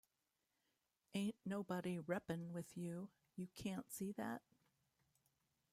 Ain't nobody reppin' with you, you cant see that?